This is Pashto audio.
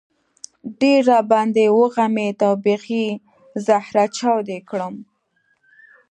ډېر را باندې وغمېد او بېخي زهره چاودی کړم.